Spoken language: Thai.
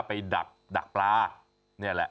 ไปดักปลา